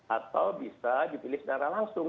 atau bisa dipilih secara langsung